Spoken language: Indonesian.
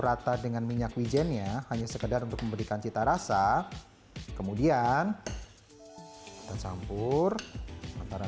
rata dengan minyak wijennya hanya sekedar untuk memberikan cita rasa kemudian kita campur antara